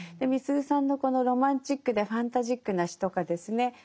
みすゞさんのこのロマンチックでファンタジックな詩とかですね